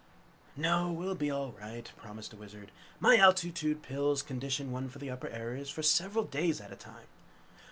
"No, we'll be all right," promised the Wizard. "My altitude pills condition one for the upper areas for several days at a time!"